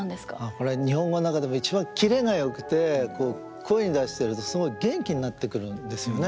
これは日本語の中でも一番キレがよくて声に出してるとすごい元気になってくるんですよね。